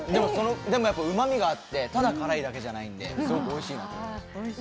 でもうまみがあって、ただ辛いだけじゃないんで、おいしいなと思います。